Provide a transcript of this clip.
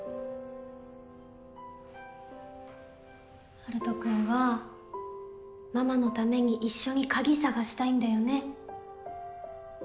陽斗君はママの為に一緒に鍵探したいんだよね。